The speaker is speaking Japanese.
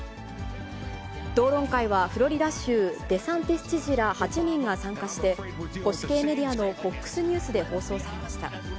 討論会は、フロリダ州デサンティス知事ら８人が参加して、保守系メディアのＦＯＸニュースで放送されました。